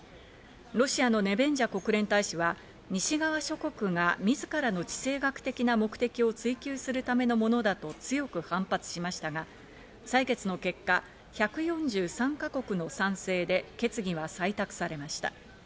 ロシアのネベンジャ国連大使は西側諸国がみずからの地政学的な目的を追求するためのものだと強く反発しましたが、採決の結果、１４３か国の賛成で決議は採択されました。